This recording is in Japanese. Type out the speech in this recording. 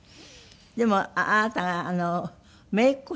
でもあなたが姪っ子さん